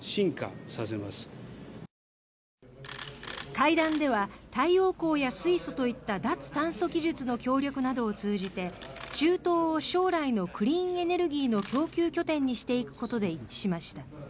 会談では太陽光や水素といった脱炭素技術の協力などを通じて中東を将来のクリーンエネルギーの供給拠点にしていくことで一致しました。